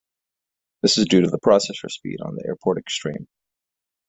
This is due to the processor speed on the AirPort Extreme.